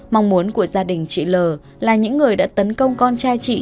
mong muốn của gia đình chị l là những người đã tấn công con trai chị